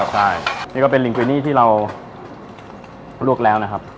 ใช่นี่ก็เป็นลิงกุนี่ที่เราลวกแล้วนะครับ